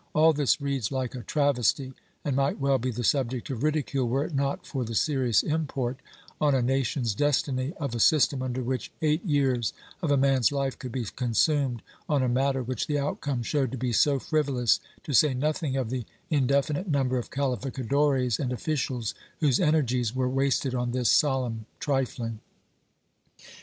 ^ All this reads like a travesty and might well be the subject of ridicule were it not for the serious import on a nation's destiny of a system under which eight years of a man's life could be consumed on a matter which the outcome showed to be so frivolous, to sa}^ nothing of the indefi nite number of calificadores and officials whose energies were wasted on this solemn trifling.